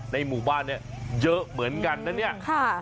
ในหมู่บ้านเยอะเหมือนกัน